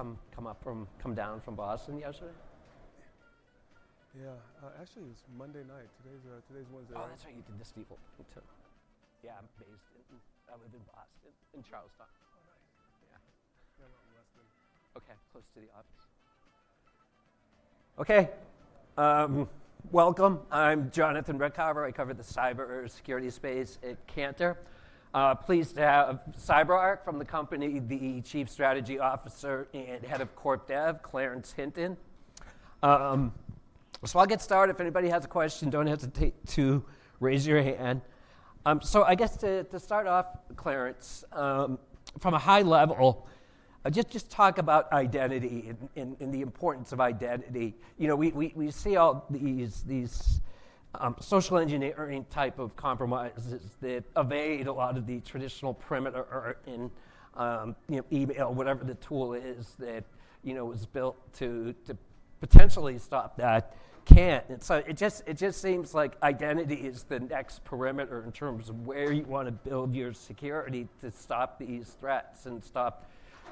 Come up from, come down from Boston yesterday? Yeah, actually it was Monday night. Today's a, today's Wednesday. Oh, that's right, you can just leave open too. Yeah, I'm based in, I live in Boston, in Charlestown. Oh, nice. Yeah. Yeah, not in Weston. Okay, close to the office. Okay, welcome. I'm Jonathan Ruykhaver. I cover the cybersecurity space at Cantor. Pleased to have CyberArk from the company, the Chief Strategy Officer and Head of Corp Dev, Clarence Hinton. I'll get started. If anybody has a question, don't hesitate to raise your hand. I guess to start off, Clarence, from a high level, just talk about identity and the importance of identity. You know, we see all these social engineering-type of compromises that evade a lot of the traditional perimeter in, you know, email, whatever the tool is that is built to potentially stop that. Can't. It just seems like identity is the next perimeter in terms of where you want to build your security to stop these threats and stop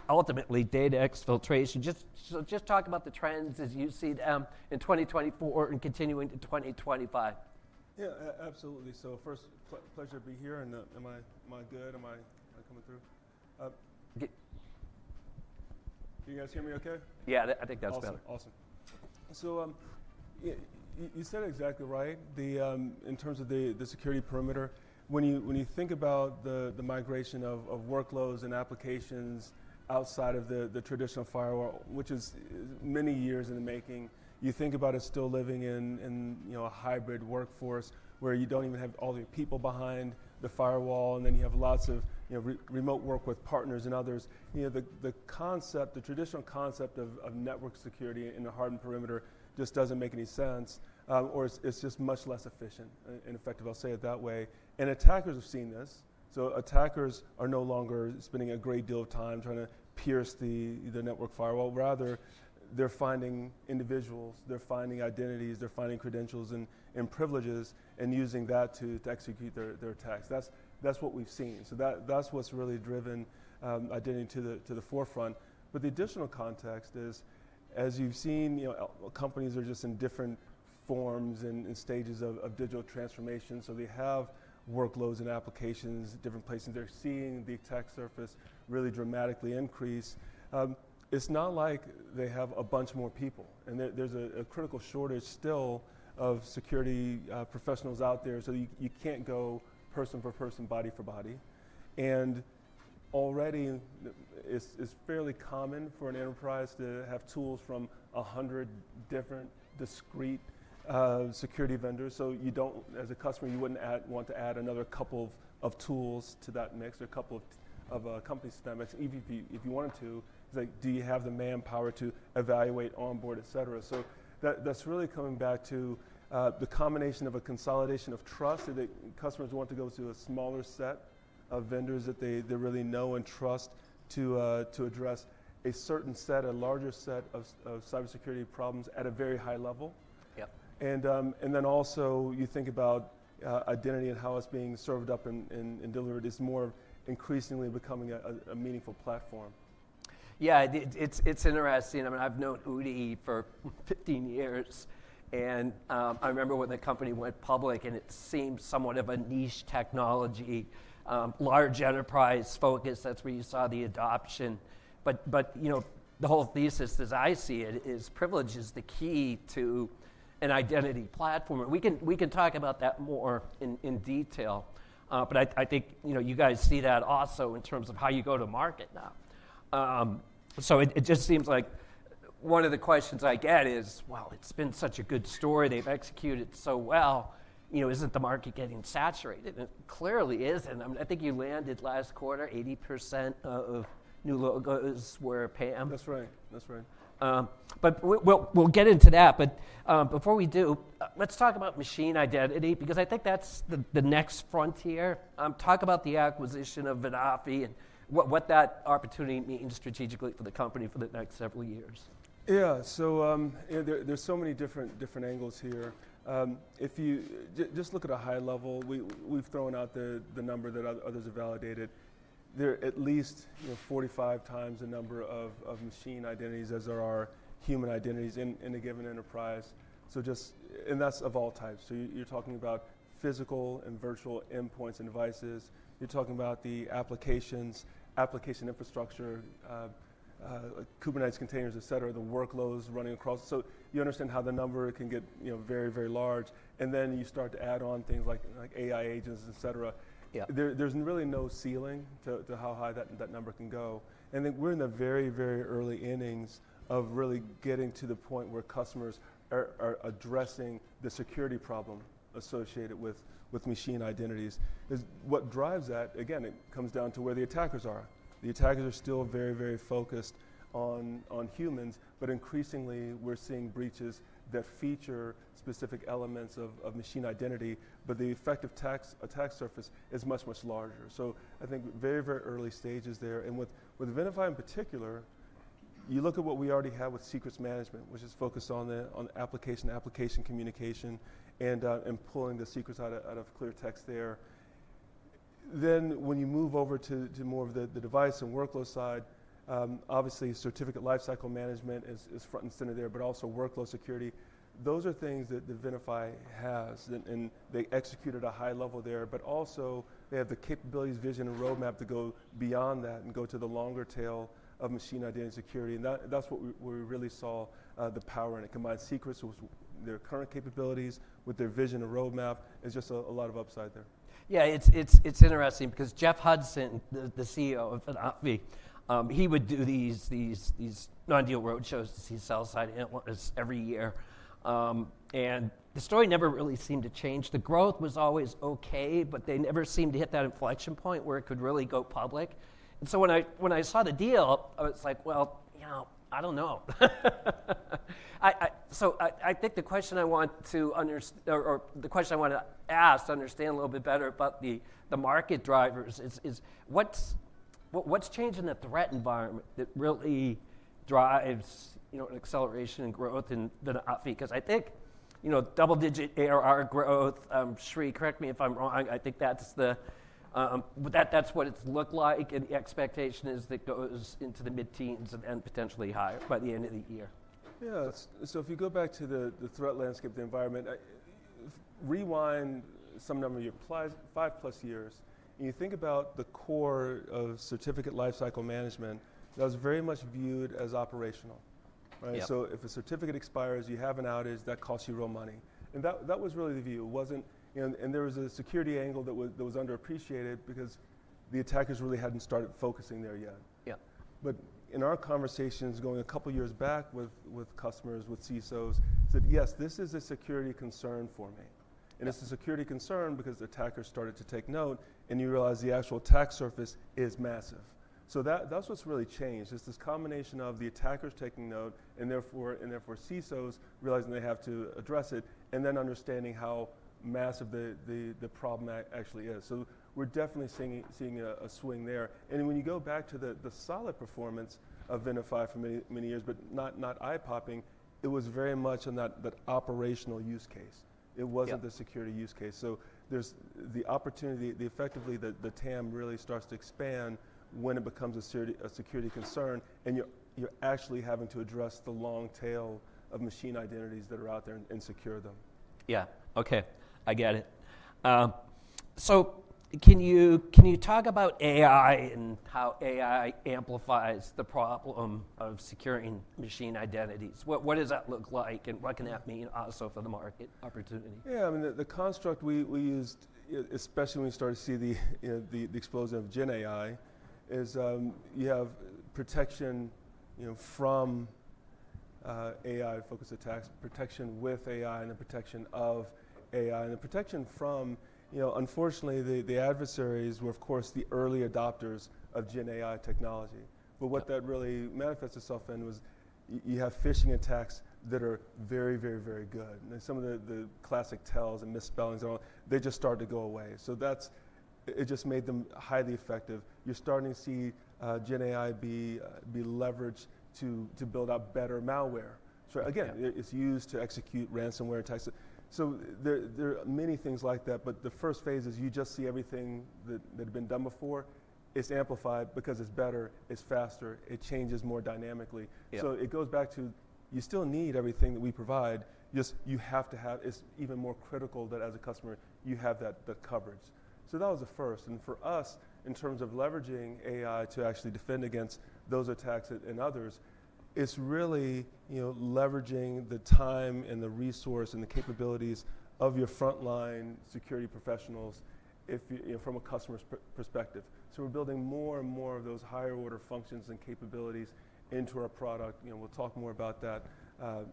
ultimately data exfiltration. Just talk about the trends as you see them in 2024 and continuing to 2025. Yeah, absolutely. First, pleasure to be here. Am I good? Am I coming through? Get. Do you guys hear me okay? Yeah, I think that's better. Awesome. Awesome. You said it exactly right. In terms of the security perimeter, when you think about the migration of workloads and applications outside of the traditional firewall, which is many years in the making, you think about it still living in, you know, a hybrid Workforce where you do not even have all the people behind the firewall, and then you have lots of, you know, remote work with partners and others. You know, the concept, the traditional concept of network security in a hardened perimeter just does not make any sense, or it is just much less efficient and effective. I will say it that way. Attackers have seen this. Attackers are no longer spending a great deal of time trying to pierce the network firewall. Rather, they're finding individuals, they're finding identities, they're finding credentials and, and privileges, and using that to, to execute their, their attacks. That's, that's what we've seen. That, that's what's really driven, identity to the, to the forefront. The additional context is, as you've seen, you know, companies are just in different forms and, and stages of, of digital transformation. They have workloads and applications different places. They're seeing the attack surface really dramatically increase. It's not like they have a bunch more people. There, there's a, a critical shortage still of security, professionals out there. You, you can't go person for person, body for body. Already, it's, it's fairly common for an enterprise to have tools from 100 different discreet, security vendors. You do not, as a customer, you would not want to add another couple of tools to that mix or a couple of company systems, even if you wanted to. It is like, do you have the manpower to evaluate, onboard, etc.? That is really coming back to the combination of a consolidation of trust that the customers want to go to a smaller set of vendors that they really know and trust to address a larger set of cybersecurity problems at a very high level. Yep. You think about identity and how it's being served up and delivered. It's more increasingly becoming a meaningful platform. Yeah, it's interesting. I mean, I've known Udi for 15 years. And, I remember when the company went public and it seemed somewhat of a niche technology, large enterprise focus. That's where you saw the adoption. But, you know, the whole thesis as I see it is privilege is the key to an Identity platform. And we can talk about that more in detail. I think, you know, you guys see that also in terms of how you go to market now. It just seems like one of the questions I get is, well, it's been such a good story. They've executed so well. You know, isn't the market getting saturated? And it clearly isn't. I mean, I think you landed last quarter, 80% of new logos were PAM. That's right. That's right. We'll get into that. Before we do, let's talk about machine identity because I think that's the next frontier. Talk about the acquisition of Venafi and what that opportunity means strategically for the company for the next several years. Yeah. So, you know, there are so many different, different angles here. If you just, just look at a high level, we have thrown out the number that others have validated. There are at least, you know, 45 times the number of machine identities as there are human identities in a given enterprise. Just, and that is of all types. You are talking about physical and virtual endpoints and devices. You are talking about the applications, application infrastructure, Kubernetes containers, etc., the workloads running across. You understand how the number can get, you know, very, very large. You start to add on things like AI agents, etc. Yeah. There is really no ceiling to how high that number can go. We are in the very, very early innings of really getting to the point where customers are addressing the security problem associated with machine identities. As what drives that, again, it comes down to where the attackers are. The attackers are still very, very focused on humans. Increasingly, we are seeing breaches that feature specific elements of machine identity. The effective attack surface is much, much larger. I think we are in very, very early stages there. With Venafi in particular, you look at what we already have with secrets management, which is focused on application communication and pulling the secrets out of clear text there. When you move over to more of the device and workload side, obviously certificate lifecycle management is front and center there, but also workload security. Those are things that Venafi has. They executed at a high level there, but also they have the capabilities, vision, and roadmap to go beyond that and go to the longer tail of machine identity security. That is where we really saw the power in it. Combine secrets with their current capabilities with their vision and roadmap. It is just a lot of upside there. Yeah, it's interesting because Jeff Hudson, the CEO of Venafi, he would do these non-deal roadshows as he sells side invoices every year. The story never really seemed to change. The growth was always okay, but they never seemed to hit that inflection point where it could really go public. When I saw the deal, I was like, you know, I don't know. I think the question I want to understand, or the question I wanna ask to understand a little bit better about the market drivers is, what's changing the threat environment that really drives, you know, an acceleration in growth in Venafi? Because I think, you know, double-digit ARR growth, [Sri], correct me if I'm wrong. I think that's what it's looked like. The expectation is that goes into the mid-teens and then potentially higher by the end of the year. Yeah. If you go back to the threat landscape, the environment, rewind some number of years, 5+ years, and you think about the core of certificate lifecycle management, that was very much viewed as operational. Right? Yeah. If a certificate expires, you have an outage, that costs you real money. That was really the view. It wasn't, you know, and there was a security angle that was underappreciated because the attackers really hadn't started focusing there yet. Yeah. In our conversations going a couple years back with customers, with CISOs, they said, yes, this is a security concern for me. It's a security concern because attackers started to take note, and you realize the actual attack surface is massive. That is what's really changed. It's this combination of the attackers taking note and therefore CISOs realizing they have to address it and then understanding how massive the problem actually is. We're definitely seeing a swing there. When you go back to the solid performance of Venafi for many, many years, but not eye-popping, it was very much in that operational use case. It wasn't the security use case. There's the opportunity, the, the effectively the, the TAM really starts to expand when it becomes a security, a security concern, and you're actually having to address the long tail of machine identities that are out there and secure them. Yeah. Okay. I get it. So can you, can you talk about AI and how AI amplifies the problem of securing machine identities? What, what does that look like and what can that mean also for the market opportunity? Yeah. I mean, the construct we used, especially when we started to see the, you know, the explosion of GenAI is, you have protection, you know, from AI-focused attacks, protection with AI, and then protection of AI. The protection from, you know, unfortunately, the adversaries were, of course, the early adopters of GenAI technology. What that really manifested itself in was you have phishing attacks that are very, very, very good. Some of the classic tells and misspellings and all, they just started to go away. It just made them highly effective. You're starting to see GenAI be leveraged to build out better malware. Again, it's used to execute ransomware attacks. There are many things like that. The first phase is you just see everything that had been done before. It's amplified because it's better, it's faster, it changes more dynamically. Yeah. It goes back to you still need everything that we provide. You have to have, it's even more critical that as a customer, you have that coverage. That was the first. For us, in terms of leveraging AI to actually defend against those attacks and others, it's really, you know, leveraging the time and the resource and the capabilities of your frontline security professionals if you, you know, from a customer's perspective. We're building more and more of those higher order functions and capabilities into our product. You know, we'll talk more about that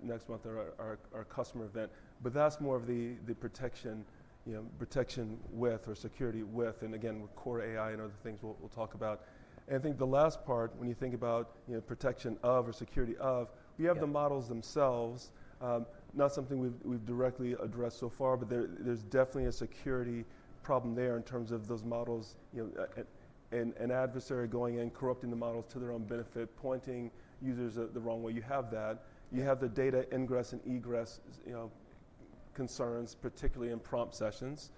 next month at our customer event. That's more of the protection, you know, protection with or security with, and again, with core AI and other things we'll talk about. I think the last part, when you think about, you know, protection of or security of, we have the models themselves, not something we've directly addressed so far, but there's definitely a security problem there in terms of those models, you know, and an adversary going in, corrupting the models to their own benefit, pointing users the wrong way. You have that. You have the data ingress and egress, you know, concerns, particularly in prompt sessions.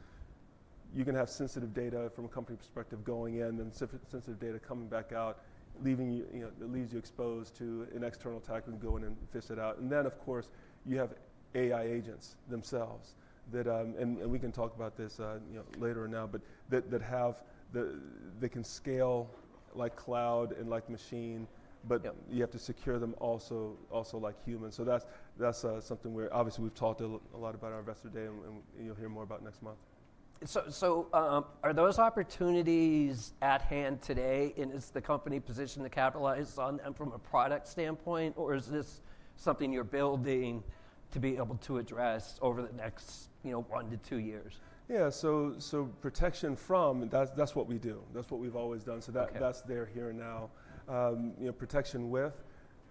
You can have sensitive data from a company perspective going in and sensitive data coming back out, leaving you, you know, that leaves you exposed to an external attacker going and fish it out. Of course, you have AI agents themselves that, and we can talk about this, you know, later now, but that have the, they can scale like cloud and like machine, but you have to secure them also, also like humans. That is something we're obviously we've talked a lot about at our investor day, and you'll hear more about next month. Are those opportunities at hand today? And is the company positioned to capitalize on them from a product standpoint, or is this something you're building to be able to address over the next, you know, one to two years? Yeah. So protection from, and that's what we do. That's what we've always done. So that's there here and now. You know, protection with,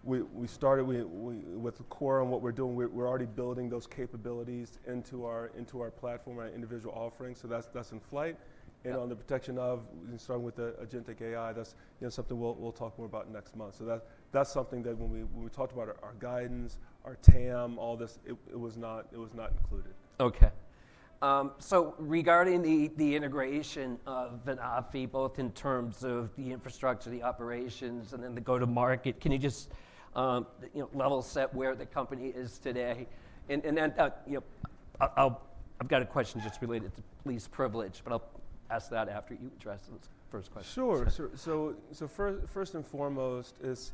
we started, we with the core and what we're doing, we're already building those capabilities into our platform, our individual offering. So that's in flight. And on the protection of, starting with the agentic AI, that's, you know, something we'll talk more about next month. So that's something that when we talked about our guidance, our TAM, all this, it was not included. Okay. Regarding the integration of Venafi, both in terms of the infrastructure, the operations, and then the go-to-market, can you just, you know, level set where the company is today? And then, you know, I'll, I'll, I've got a question just related to least privilege, but I'll ask that after you address this first question. Sure. So first and foremost is,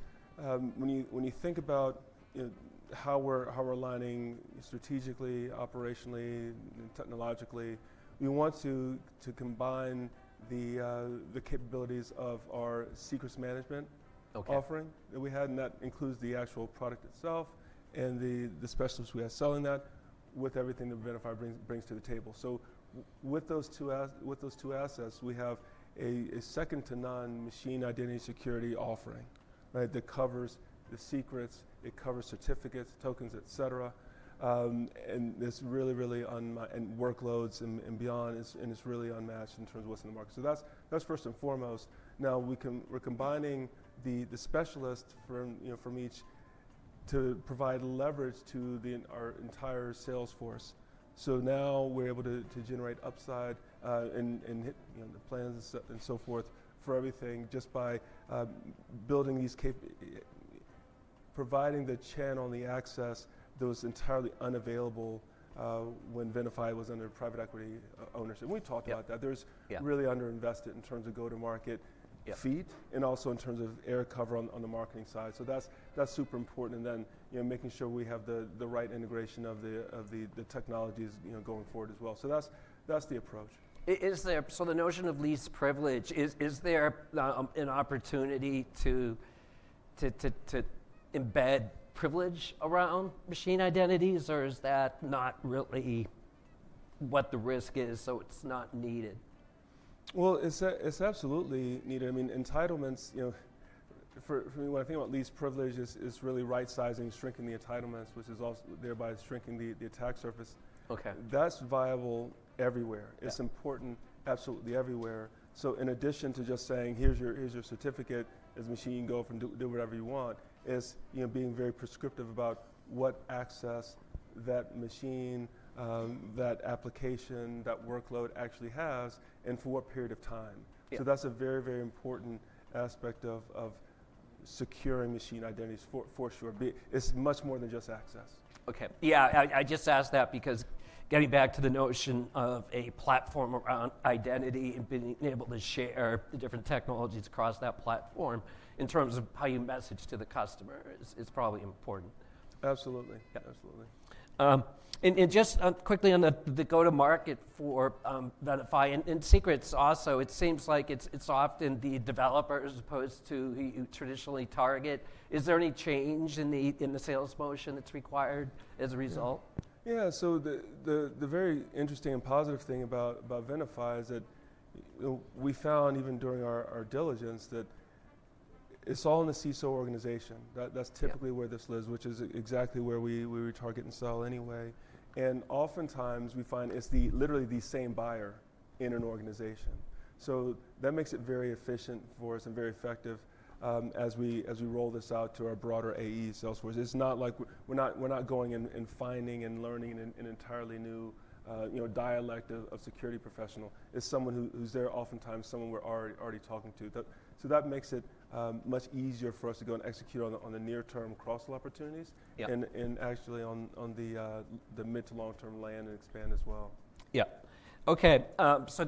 when you think about, you know, how we're aligning strategically, operationally, technologically, we want to combine the capabilities of our secrets management. Okay. Offering that we had. That includes the actual product itself and the specialists we have selling that with everything that Venafi brings to the table. With those two assets, we have a second to none machine identity security offering, right, that covers the secrets. It covers certificates, tokens, etc. and it's really, really unmatched in terms of what's in the market. That's first and foremost. Now we can, we're combining the specialists from, you know, from each to provide leverage to our entire Salesforce. Now we're able to generate upside, and hit, you know, the plans and so and so forth for everything just by building these cap, providing the channel and the access that was entirely unavailable when Venafi was under private equity ownership. We talked about that. There's. Yeah. Really underinvested in terms of go-to-market feat and also in terms of air cover on the marketing side. That's super important. You know, making sure we have the right integration of the technologies going forward as well. That's the approach. Is there, so the notion of least privilege, is there an opportunity to embed privilege around machine identities, or is that not really what the risk is so it's not needed? It is absolutely needed. I mean, entitlements, you know, for me, when I think about least privilege, it is really right-sizing, shrinking the entitlements, which is also thereby shrinking the attack surface. Okay. That's viable everywhere. It's important. Yeah. Absolutely everywhere. In addition to just saying, here's your, here's your certificate as machine, go from do, do whatever you want, is, you know, being very prescriptive about what access that machine, that application, that workload actually has and for what period of time. Yeah. That's a very, very important aspect of securing machine identities for sure. It's much more than just access. Okay. Yeah. I just asked that because getting back to the notion of a platform around identity and being able to share the different technologies across that platform in terms of how you message to the customer is probably important. Absolutely. Yeah. Absolutely. And just quickly on the go-to-market for Venafi and secrets also, it seems like it's often the developer as opposed to who you traditionally target. Is there any change in the sales motion that's required as a result? Yeah. The very interesting and positive thing about Venafi is that, you know, we found even during our diligence that it's all in the CISO organization. That is typically where this lives, which is exactly where we target and sell anyway. Oftentimes we find it's literally the same buyer in an organization. That makes it very efficient for us and very effective, as we roll this out to our broader AE Salesforce. It's not like we're going and finding and learning an entirely new, you know, dialect of security professional. It's someone who's there oftentimes, someone we're already talking to. That makes it much easier for us to go and execute on the near-term cross opportunities. Yeah. Actually, on the mid to long-term land and expand as well. Yeah. Okay.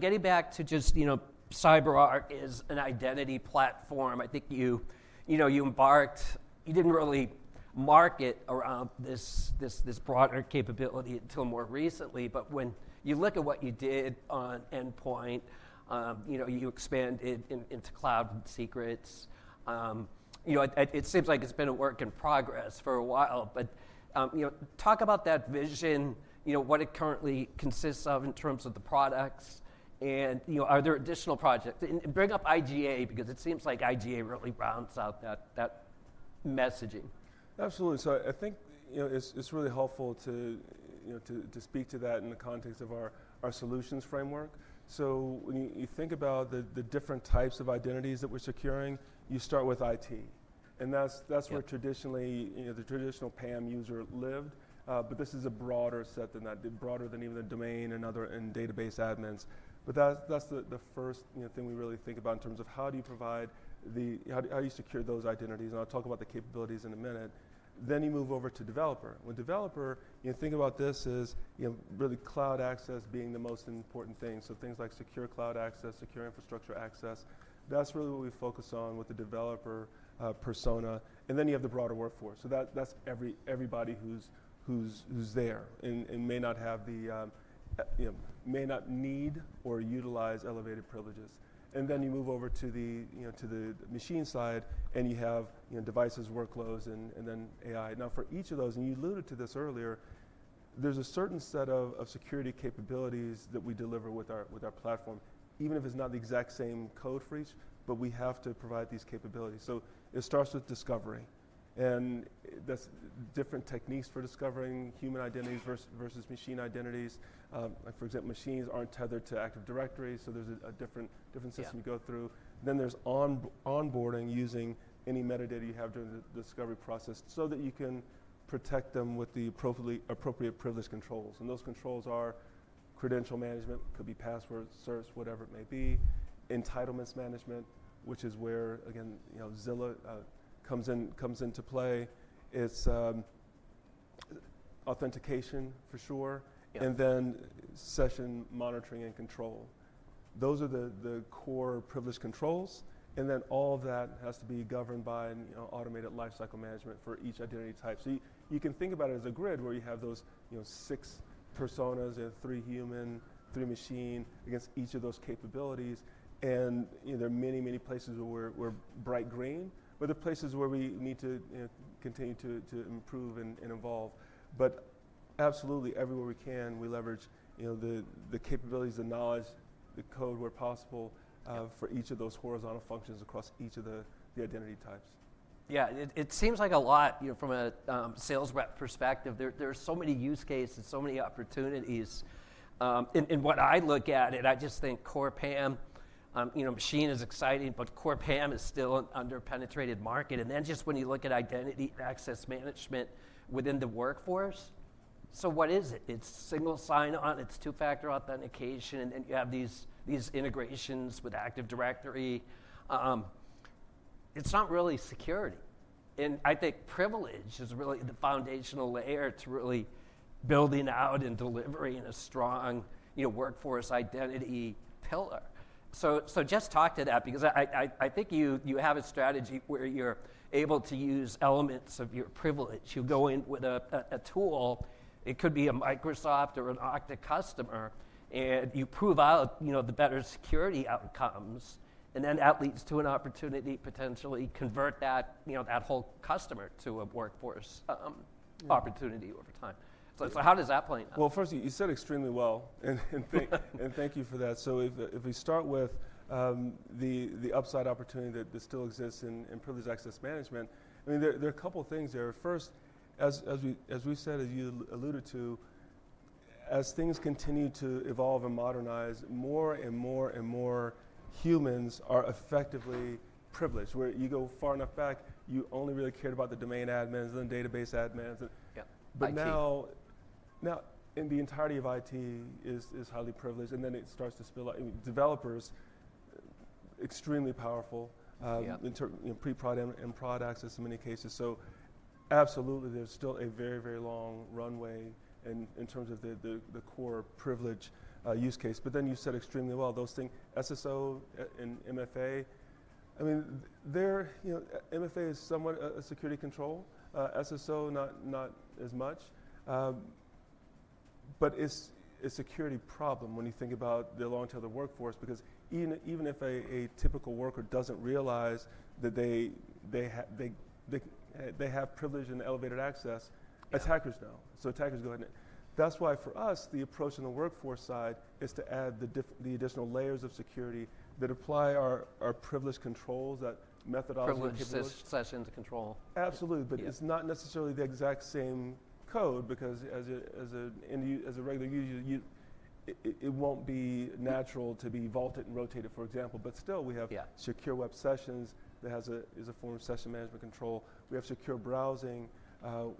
Getting back to just, you know, CyberArk is an Identity platform. I think you, you know, you embarked, you did not really market around this, this, this broader capability until more recently. When you look at what you did on endpoint, you know, you expanded into cloud and secrets. You know, it seems like it has been a work in progress for a while, but, you know, talk about that vision, you know, what it currently consists of in terms of the products and, you know, are there additional projects? Bring up IGA because it seems like IGA really rounds out that, that messaging. Absolutely. I think, you know, it's really helpful to, you know, to speak to that in the context of our solutions framework. When you think about the different types of identities that we're securing, you start with IT. That's where traditionally, you know, the traditional PAM user lived. This is a broader set than that, broader than even the domain and other and database admins. That's the first thing we really think about in terms of how do you provide the, how do, how you secure those identities. I'll talk about the capabilities in a minute. You move over to developer. When developer, you think about this as, you know, really cloud access being the most important thing. Things like Secure Cloud Access, secure infrastructure access. That's really what we focus on with the developer persona. Then you have the broader Workforce. That is everybody who's there and may not have the, you know, may not need or utilize elevated privileges. You move over to the, you know, to the machine side and you have devices, workloads, and then AI. Now for each of those, and you alluded to this earlier, there's a certain set of security capabilities that we deliver with our platform, even if it's not the exact same code for each, but we have to provide these capabilities. It starts with discovery, and that's different techniques for discovering human identities versus machine identities. Like for example, machines aren't tethered to Active Directory, so there's a different system you go through. There's onboarding using any metadata you have during the discovery process so that you can protect them with the appropriate privilege controls. And those controls are credential management, could be passwords, servers, whatever it may be, entitlements management, which is where, again, you know, Zilla comes in, comes into play. It's authentication for sure. Yeah. Session monitoring and control. Those are the core privilege controls. All of that has to be governed by, you know, automated lifecycle management for each identity type. You can think about it as a grid where you have those, you know, six personas and three human, three machine against each of those capabilities. You know, there are many, many places where we're bright green, but there are places where we need to, you know, continue to improve and evolve. Absolutely everywhere we can, we leverage, you know, the capabilities, the knowledge, the code where possible, for each of those horizontal functions across each of the identity types. Yeah. It seems like a lot, you know, from a sales rep perspective, there are so many use cases and so many opportunities. And what I look at, and I just think core PAM, you know, machine is exciting, but core PAM is still an underpenetrated market. And then just when you look at identity access management within the Workforce, so what is it? It's single sign-on, it's two-factor authentication, and then you have these integrations with Active Directory. It's not really security. And I think privilege is really the foundational layer to really building out and delivering a strong, you know, Workforce Identity pillar. So just talk to that because I think you have a strategy where you're able to use elements of your privilege. You go in with a tool, it could be a Microsoft or an Okta customer, and you prove out, you know, the better security outcomes, and then that leads to an opportunity potentially convert that, you know, that whole customer to a Workforce opportunity over time. How does that play in that? First, you said extremely well. Thank you for that. If we start with the upside opportunity that still exists in privileged access management, I mean, there are a couple of things there. First, as we said, as you alluded to, as things continue to evolve and modernize, more and more and more humans are effectively privileged. Where you go far enough back, you only really cared about the domain admins and the database admins. Yeah. Now in the entirety of IT is highly privileged, and then it starts to spill out. I mean, developers, extremely powerful. Yeah. In term, you know, pre-prod and prod access in many cases. Absolutely there's still a very, very long runway in terms of the core privilege use case. You said extremely well, those things, SSO and MFA, I mean, they're, you know, MFA is somewhat a security control. SSO, not as much. It's a security problem when you think about the long-tail of the Workforce because even if a typical worker doesn't realize that they have privilege and elevated access, attackers know. Attackers go ahead and that's why for us, the approach on the Workforce side is to add the additional layers of security that apply our privilege controls, that methodology. Privilege slash slash into control. Absolutely. It's not necessarily the exact same code because as a regular user, it won't be natural to be vaulted and rotated, for example. But still we have. Yeah. Secure Web Sessions that is a form of session management control. We have secure browsing,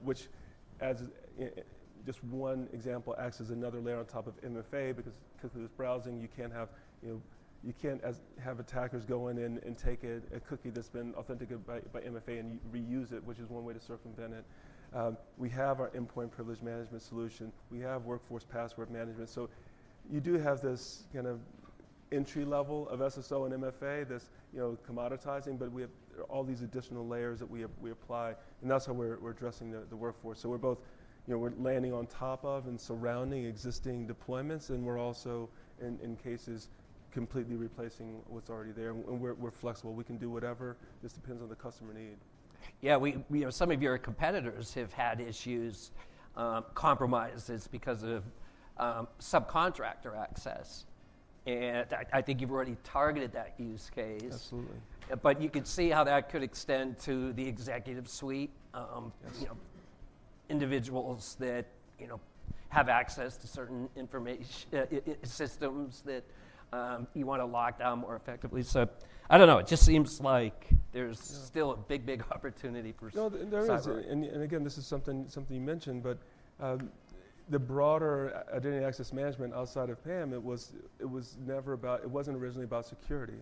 which as just one example acts as another layer on top of MFA because, because of this browsing, you can't have, you know, you can't have attackers go in and take a cookie that's been authenticated by MFA and reuse it, which is one way to circumvent it. We have our endpoint privilege management solution. We have Workforce Password Management. You do have this kind of entry level of SSO and MFA, this, you know, commoditizing, but we have all these additional layers that we apply. That is how we're addressing the Workforce. We are both, you know, landing on top of and surrounding existing deployments, and we are also in cases completely replacing what's already there. We are flexible. We can do whatever. It just depends on the customer need. Yeah. We, you know, some of your competitors have had issues, compromises because of subcontractor access. And I think you've already targeted that use case. Absolutely. You could see how that could extend to the executive suite. Yes. You know, individuals that, you know, have access to certain information, i-i systems that, you wanna lock down more effectively. I don't know. It just seems like there's still a big, big opportunity for. No, there isn't. This is something you mentioned, but the broader identity access management outside of PAM, it was never about, it wasn't originally about security,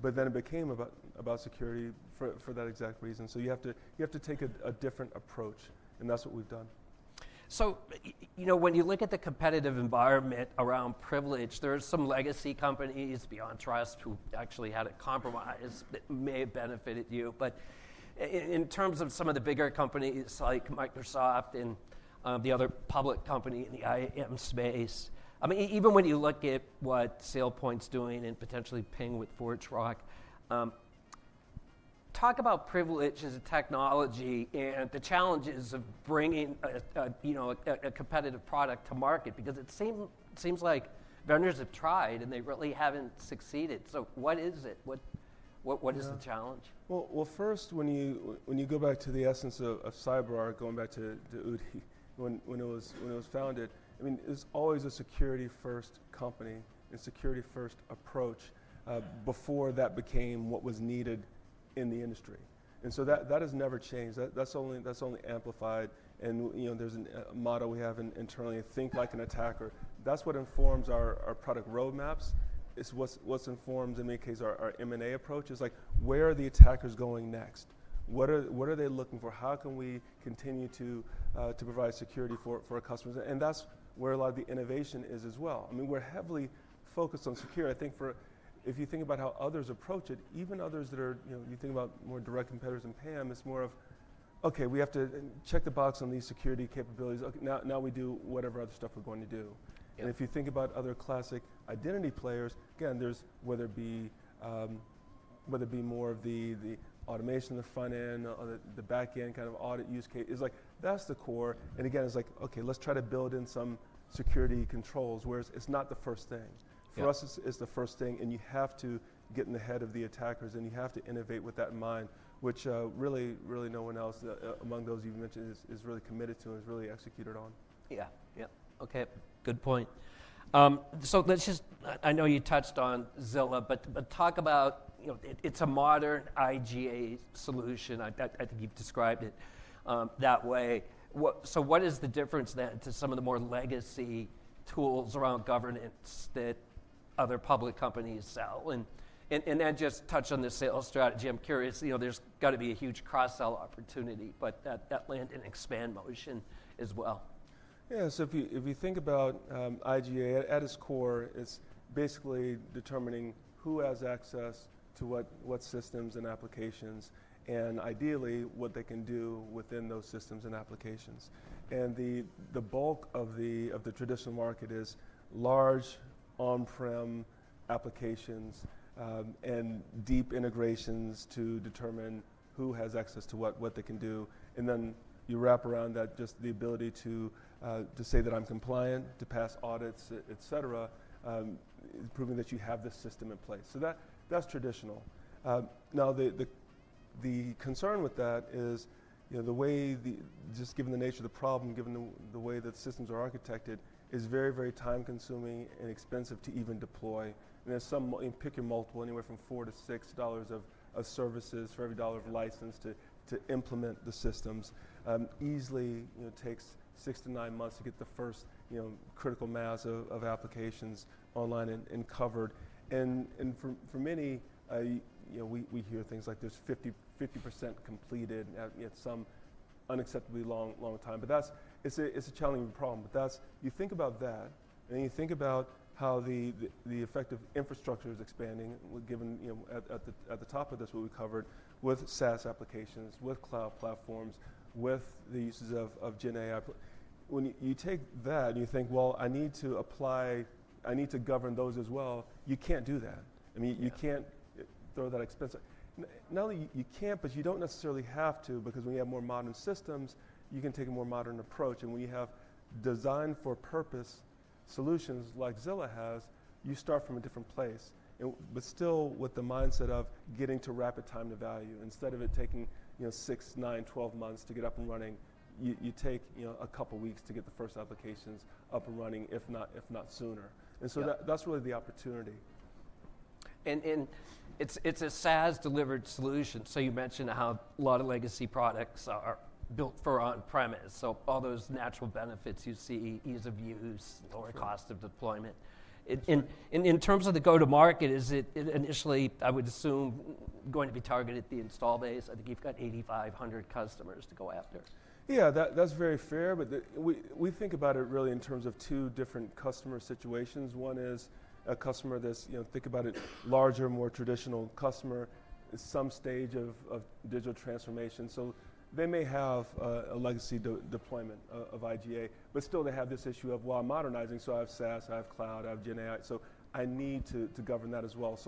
but then it became about security for that exact reason. You have to take a different approach, and that's what we've done. You know, when you look at the competitive environment around privilege, there are some legacy companies, BeyondTrust, who actually had it compromised that may have benefited you. In terms of some of the bigger companies like Microsoft and the other public company in the IAM space, I mean, even when you look at what SailPoint's doing and potentially Ping with ForgeRock, talk about privilege as a technology and the challenges of bringing a competitive product to market because it seems like vendors have tried and they really haven't succeeded. What is it? What is the challenge? First, when you go back to the essence of CyberArk, going back to Udi, when it was founded, I mean, it's always a security-first company and security-first approach, before that became what was needed in the industry. That has never changed. That's only amplified. You know, there's a model we have internally, think like an attacker. That's what informs our product roadmaps. It's what's informed in many cases our M&A approach, like, where are the attackers going next? What are they looking for? How can we continue to provide security for our customers? That's where a lot of the innovation is as well. I mean, we're heavily focused on secure. I think for, if you think about how others approach it, even others that are, you know, you think about more direct competitors in PAM, it's more of, okay, we have to check the box on these security capabilities. Okay, now, now we do whatever other stuff we're going to do. If you think about other classic Identity players, again, there's, whether it be, whether it be more of the automation, the front end, the backend kind of audit use case is like, that's the core. Again, it's like, okay, let's try to build in some security controls, whereas it's not the first thing. For us, it's the first thing, and you have to get in the head of the attackers, and you have to innovate with that in mind, which, really, really no one else among those you've mentioned is really committed to and has really executed on. Yeah. Yeah. Okay. Good point. I know you touched on Zilla, but talk about, you know, it's a modern IGA solution. I think you've described it that way. What is the difference then to some of the more legacy tools around governance that other public companies sell? And then just touch on the sales strategy. I'm curious, you know, there's gotta be a huge cross-sell opportunity, but that land in expand motion as well. Yeah. If you think about IGA, at its core, it's basically determining who has access to what, what systems and applications and ideally what they can do within those systems and applications. The bulk of the traditional market is large on-prem applications, and deep integrations to determine who has access to what, what they can do. You wrap around that just the ability to say that I'm compliant, to pass audits, et cetera, proving that you have this system in place. That's traditional. Now the concern with that is, you know, just given the nature of the problem, given the way that systems are architected, it is very, very time-consuming and expensive to even deploy. There's some, you pick your multiple anywhere from $4-$6 of services for every dollar of license to implement the systems. Easily, you know, takes six to nine months to get the first, you know, critical mass of applications online and covered. For many, you know, we hear things like there's 50%, 50% completed at some unacceptably long, long time. It's a challenging problem. You think about that and then you think about how the effective infrastructure is expanding, given, you know, at the top of this, what we covered with SaaS applications, with cloud platforms, with the uses of GenAI. When you take that and you think, you need to apply, you need to govern those as well, you can't do that. I mean, you can't throw that expense. Not only you can't, but you don't necessarily have to because when you have more modern systems, you can take a more modern approach. When you have designed-for-purpose solutions like Zilla has, you start from a different place, still with the mindset of getting to rapid time to value. Instead of it taking, you know, six, nine, twelve months to get up and running, you take, you know, a couple of weeks to get the first applications up and running, if not, if not sooner. That, that's really the opportunity. It is a SaaS-delivered solution. You mentioned how a lot of legacy products are built for on-premise. All those natural benefits you see, ease of use, lower cost of deployment. In terms of the go-to-market, is it initially, I would assume, going to be targeted at the install base? I think you've got 8,500 customers to go after. Yeah. That's very fair. We think about it really in terms of two different customer situations. One is a customer that's, you know, think about it, larger, more traditional customer, some stage of digital transformation. They may have a legacy deployment of IGA, but still they have this issue of, you know, I'm modernizing, so I have SaaS, I have cloud, I have GenAI. I need to govern that as well.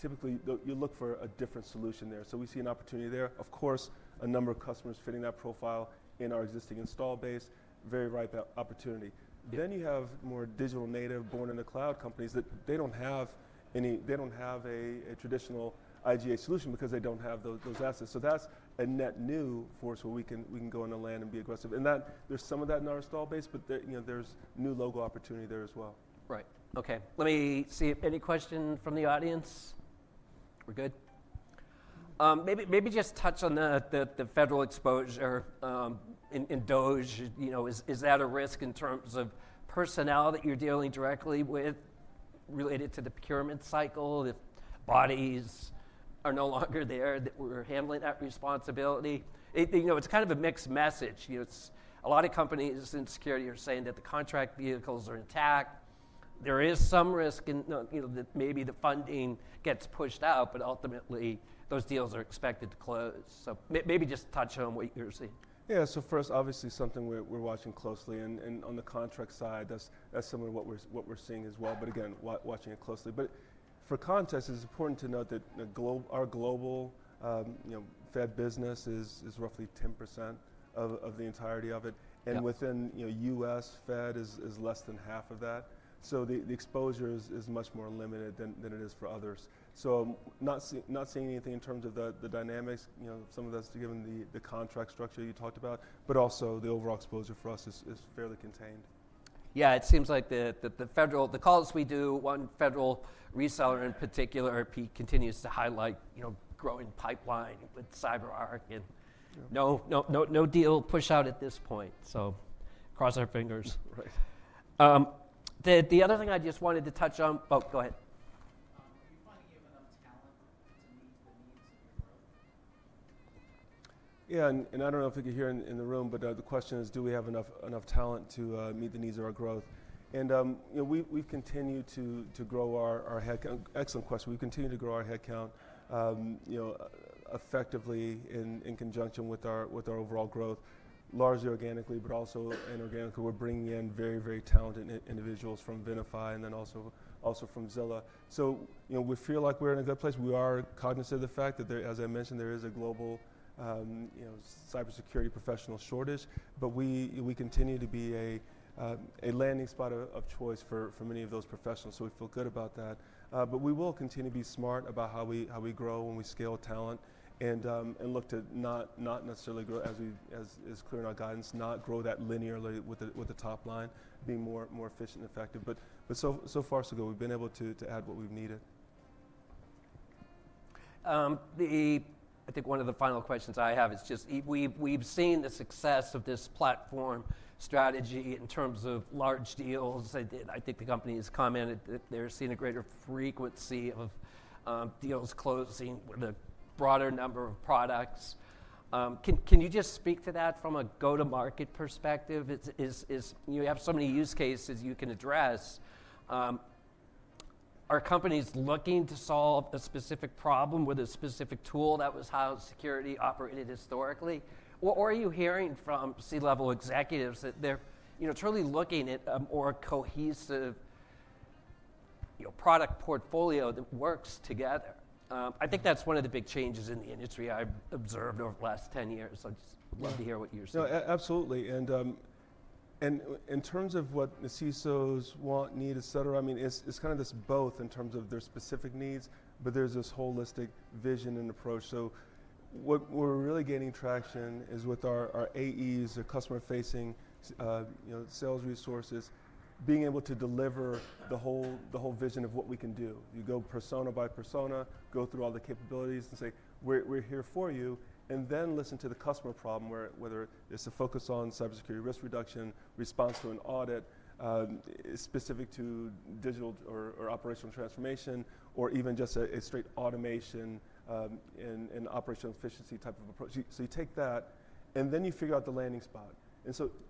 Typically you look for a different solution there. We see an opportunity there. Of course, a number of customers fitting that profile in our existing install base, very ripe opportunity. You have more digital native, born-in-the-cloud companies that they don't have any, they don't have a traditional IGA solution because they don't have those assets. That is a net new for us where we can, we can go in the land and be aggressive. And that, there is some of that in our install base, but there, you know, there is new logo opportunity there as well. Right. Okay. Let me see if any question from the audience. We're good. Maybe, maybe just touch on the federal exposure, in DOGE, you know, is that a risk in terms of personnel that you're dealing directly with related to the procurement cycle? If bodies are no longer there that were handling that responsibility? You know, it's kind of a mixed message. You know, a lot of companies in security are saying that the contract vehicles are intact. There is some risk in, you know, that maybe the funding gets pushed out, but ultimately those deals are expected to close. Maybe just touch on what you're seeing. Yeah. First, obviously something we're watching closely. On the contract side, that's similar to what we're seeing as well. Again, watching it closely. For context, it's important to note that our global, you know, Fed business is roughly 10% of the entirety of it. Within the U.S., Fed is less than half of that. The exposure is much more limited than it is for others. Not seeing anything in terms of the dynamics, you know, some of that's given the contract structure you talked about, but also the overall exposure for us is fairly contained. Yeah. It seems like the federal, the calls we do, one federal reseller in particular, he continues to highlight, you know, growing pipeline with CyberArk and no deal pushed out at this point. Cross our fingers. Right. The other thing I just wanted to touch on, oh, go ahead. Are you finding you have enough talent to meet the needs of your growth? Yeah. I don't know if you could hear in the room, but the question is, do we have enough talent to meet the needs of our growth? You know, we've continued to grow our headcount. Excellent question. We've continued to grow our headcount, you know, effectively in conjunction with our overall growth, largely organically, but also inorganically. We're bringing in very, very talented individuals from Venafi and then also from Zilla. You know, we feel like we're in a good place. We are cognizant of the fact that there, as I mentioned, is a global, you know, cybersecurity professional shortage, but we continue to be a landing spot of choice for many of those professionals. We feel good about that. We will continue to be smart about how we grow, how we scale talent, and look to not necessarily grow, as clear in our guidance, not grow that linearly with the top line, being more efficient and effective. So far, so good. We've been able to add what we've needed. I think one of the final questions I have is just, we, we've seen the success of this platform strategy in terms of large deals. I think the company has commented that they're seeing a greater frequency of deals closing with a broader number of products. Can you just speak to that from a go-to-market perspective? It's, it's, you have so many use cases you can address. Are companies looking to solve a specific problem with a specific tool that was how security operated historically? Or are you hearing from C-level executives that they're, you know, truly looking at a more cohesive, you know, product portfolio that works together? I think that's one of the big changes in the industry I've observed over the last 10 years. I’d just love to hear what you're seeing. No, absolutely. In terms of what the CISOs want, need, et cetera, I mean, it's kind of this both in terms of their specific needs, but there's this holistic vision and approach. Where we're really gaining traction is with our AEs, our customer-facing, you know, sales resources, being able to deliver the whole vision of what we can do. You go persona by persona, go through all the capabilities and say, "We're here for you." Then listen to the customer problem, whether it's a focus on cybersecurity risk reduction, response to an audit, specific to digital or operational transformation, or even just a straight automation and operational efficiency type of approach. You take that and then you figure out the landing spot.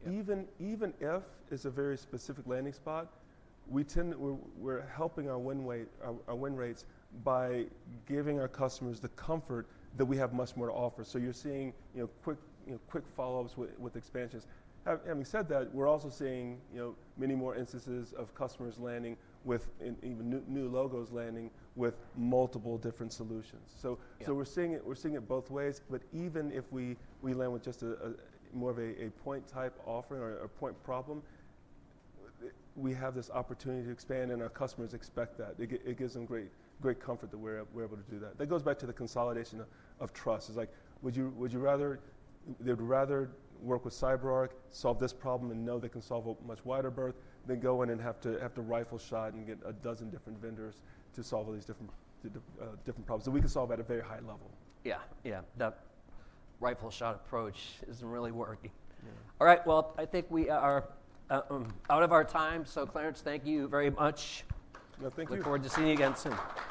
Even if it is a very specific landing spot, we tend, we are helping our win rate, our win rates by giving our customers the comfort that we have much more to offer. You are seeing, you know, quick, you know, quick follow-ups with expansions. Having said that, we are also seeing, you know, many more instances of customers landing with, and even new, new logos landing with multiple different solutions. We are seeing it, we are seeing it both ways. Even if we land with just a, a more of a, a point type offering or a point problem, we have this opportunity to expand and our customers expect that. It gives, it gives them great, great comfort that we are able to do that. That goes back to the consolidation of trust. It's like, would you rather, they'd rather work with CyberArk, solve this problem, and know they can solve a much wider berth than go in and have to rifle shot and get a dozen different vendors to solve all these different problems. We can solve at a very high level. Yeah. Yeah. That rifle shot approach isn't really working. All right. I think we are out of our time. Clarence, thank you very much. Yeah. Thank you. Look forward to seeing you again soon.